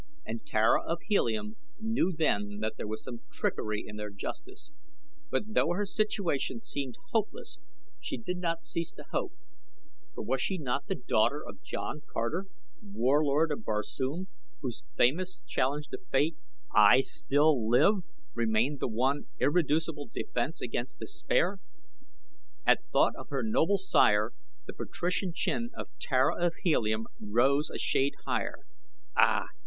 And Tara of Helium knew then that there was trickery in their justice; but though her situation seemed hopeless she did not cease to hope, for was she not the daughter of John Carter, Warlord of Barsoom, whose famous challenge to Fate, "I still live!" remained the one irreducible defense against despair? At thought of her noble sire the patrician chin of Tara of Helium rose a shade higher. Ah!